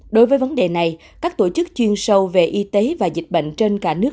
đối với vấn đề này các tổ chức chuyên sâu về y tế và dịch bệnh trên cả nước